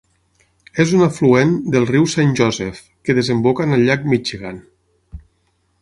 És un afluent del riu Saint Joseph, que desemboca en el llac Michigan.